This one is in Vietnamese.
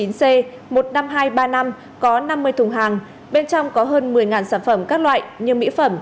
một năm hai ba năm có năm mươi thùng hàng bên trong có hơn một mươi sản phẩm các loại như mỹ phẩm